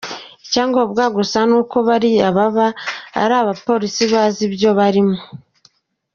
Icyangombwa gusa ni uko babriyo baba ari abapolisi bazi ibyo barimo”.